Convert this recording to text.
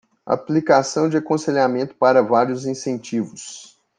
Aplicação de aconselhamento para vários incentivos